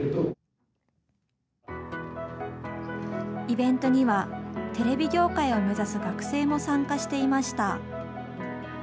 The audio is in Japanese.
イベントにはテレビ業界を目指す学生も参加していました。